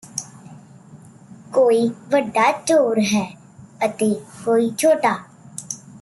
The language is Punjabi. ਕੋਈ ਵੱਡਾ ਚੋਰ ਹੈ ਅਤੇ ਕੋਈ ਛੋਟਾ